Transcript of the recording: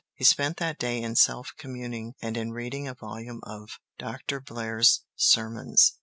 He spent that day in self communing and in reading a volume of Doctor Blair's sermons.